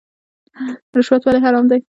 رشوت ولې حرام دی؟